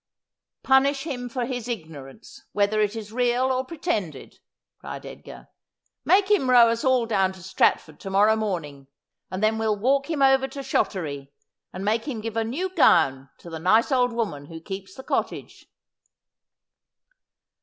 'Punish him for his ignorance, whether it is real or pre tended,' cried Edgar. ' Make him row us all down to Stratford to morrow morning ; and then we'll walk him over to Shottery, and make him give a new gown to the nice old woman who keeps the cottage.'